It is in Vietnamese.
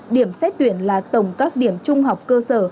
điểm xét tuyển là tổng các điểm trung học cơ sở